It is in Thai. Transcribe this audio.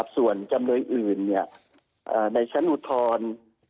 ส่วนจำเลยอื่นในชั้นอุทธรณ์